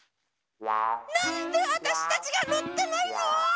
なんであたしたちがのってないの？